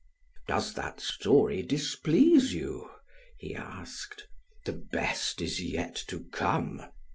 "Does that story displease you?" he asked. "The best is yet to come.